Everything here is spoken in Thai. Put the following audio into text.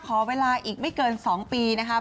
ขอเวลาอีกไม่เกิน๒ปีนะครับ